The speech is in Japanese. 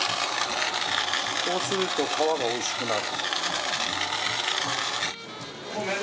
こうすると皮がおいしくなる。